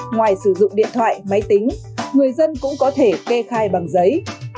ngoài sử dụng điện thoại máy tính người dân cũng có thể kê khai bằng giấy